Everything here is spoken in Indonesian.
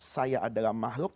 saya adalah mahluk